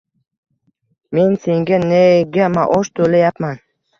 Men senga nega maosh to`layapman